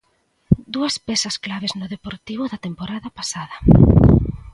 Dúas pezas clave no Deportivo da temporada pasada.